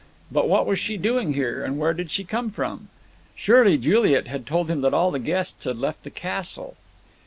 But what was she doing here, and where did she come from? Surely Juliet had told him that all the guests had left the castle.